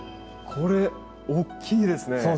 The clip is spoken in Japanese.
これおっきいですね。